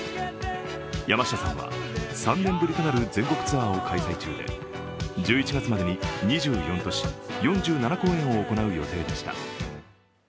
山下さんは３年ぶりとなる全国ツアーを開催中で１１月までに２４都市４７公演を行う予定でした。